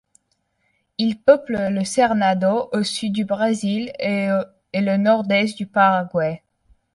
Il peuple le Cerrado du sud du Brésil et le nord-est du Paraguay.